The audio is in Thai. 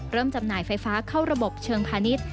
จำหน่ายไฟฟ้าเข้าระบบเชิงพาณิชย์